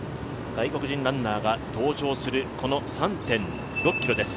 外国人ランナーが登場する３．６ｋｍです。